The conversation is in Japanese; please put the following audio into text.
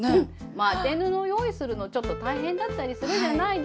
まぁ当て布用意するのちょっと大変だったりするじゃないですか。